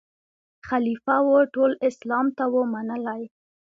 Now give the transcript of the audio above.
خلیفه وو ټول اسلام ته وو منلی